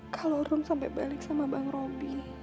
kalau rum sampai balik sama bang robi